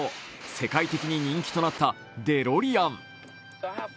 世界的に人気となったデロリアン。